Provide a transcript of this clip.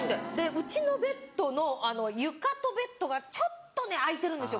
うちのベッドの床とベッドがちょっとね空いてるんですよ